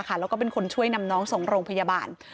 แล้วก็เป็นคนช่วยนำน้องส่งโรงพยาบาล